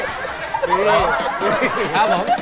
ครับผม